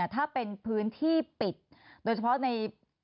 ถ้าเป็นพื้นที่ปิดโดยเฉพาะใน